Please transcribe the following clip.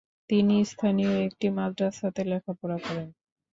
তিনি স্থানীয় একটি মাদ্রাসাতে লেখাপড়া করেন।